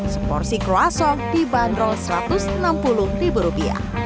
seporsi kru asal dibanderol rp satu ratus enam puluh